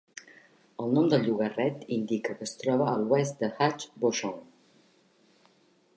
El nom del llogarret indica que es troba a l'oest de Hatch Beauchamp.